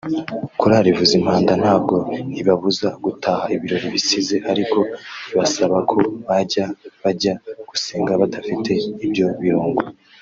Korali Vuzimpanda ntabwo ibabuza gutaha ibirori bisize ariko ibasaba ko bajya bajya gusenga badafite ibyo birungo